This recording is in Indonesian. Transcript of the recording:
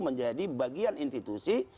menjadi bagian institusi